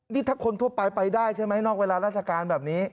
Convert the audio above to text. นี่ถ้าคนทั่วไปไปได้ใช่ไหมนอกเวลาราชการแบบนี้